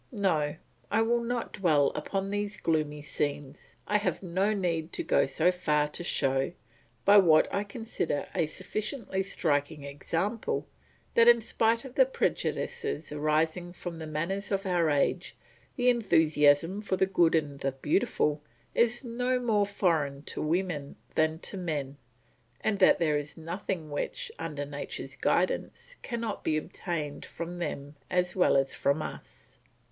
No; I will not dwell upon these gloomy scenes; I have no need to go so far to show, by what I consider a sufficiently striking example, that in spite of the prejudices arising from the manners of our age, the enthusiasm for the good and the beautiful is no more foreign to women than to men, and that there is nothing which, under nature's guidance, cannot be obtained from them as well as from us.